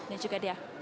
ya juga dia